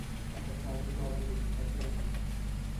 তাছাড়া, আপনি তো আবার ডিসির কাছের মানুষ।